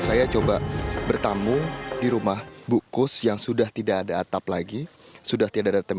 saya coba bertamu di rumah bukus yang sudah tidak ada atap lagi sudah tidak ada tempat